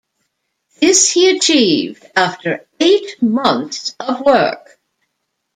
This he achieved after eight months of work.